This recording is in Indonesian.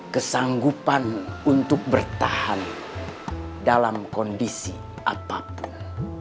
kesanggupan untuk bertahan dalam kondisi apapun